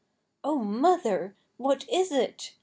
"Oh, Mother! What is it?"